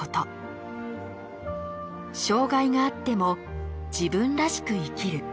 障がいがあっても自分らしく生きる。